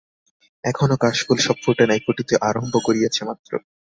এখনো কাশফুল সব ফুটে নাই, ফুটিতে আরম্ভ করিয়াছে মাত্র।